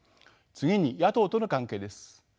次に野党との関係です。